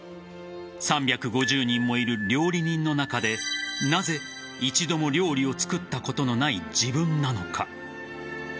３５０人もいる料理人の中でなぜ、一度も料理を作ったことのない自分なのか。